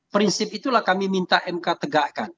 prinsip itulah kami minta mk tegakkan